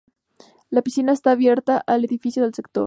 La piscina está abierta al público del sector.